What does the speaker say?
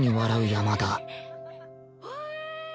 山田